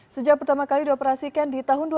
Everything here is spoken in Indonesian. sejak pertama kali dioperasikan di tahun dua ribu dua